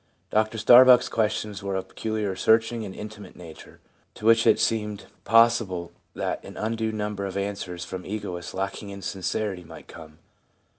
Dr Starbuck's questions were of a peculiarly searching and intimate nature, to which it seemed possible that an undue number of answers from egotists lacking in sincerity might come.